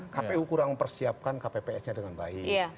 kpu kurang mempersiapkan kpps nya dengan baik